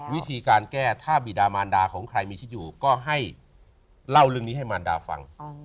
วิธีการแก้ถ้าบีดามารดาของใครมีคิดอยู่ก็ให้เล่าเรื่องนี้ให้มารดาฟัง